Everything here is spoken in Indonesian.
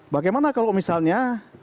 bagaimana kalau misalnya